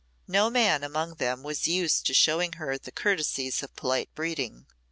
No man among them was used to showing her the courtesies of polite breeding.